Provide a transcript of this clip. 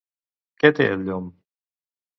Què té al llom?